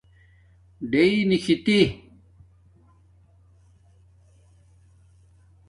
ڈیئ نکھِتی